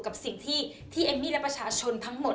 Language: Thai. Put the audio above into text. กับสิ่งที่เอมมี่และประชาชนทั้งหมด